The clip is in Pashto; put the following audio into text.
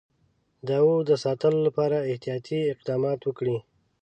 د اَوَد د ساتلو لپاره احتیاطي اقدامات وکړي.